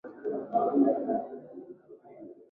Karatasi zinachafua mazingira